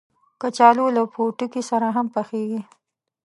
کچالو له پوټکي سره هم پخېږي